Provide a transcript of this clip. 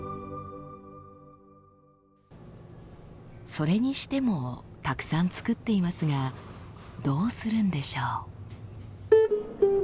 それにしてもたくさん作っていますがどうするんでしょう？